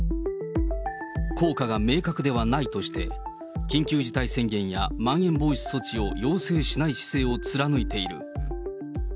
効果が明確ではないとして、緊急事態宣言やまん延防止措置を要請しない姿勢を貫いている。